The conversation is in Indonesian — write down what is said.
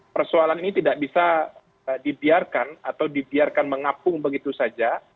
persoalan ini tidak bisa dibiarkan atau dibiarkan mengapung begitu saja